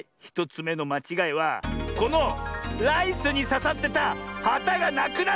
１つめのまちがいはこのライスにささってたはたがなくなってる！